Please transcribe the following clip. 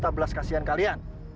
saya minta belas kasihan kalian